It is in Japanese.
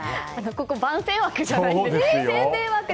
ここ、番宣枠じゃないので。